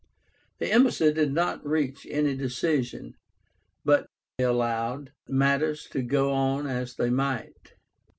The embassy did not reach any decision, but allowed matters to go on as they might.